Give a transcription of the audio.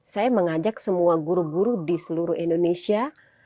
saya mengajak semua guru guru di seluruh indonesia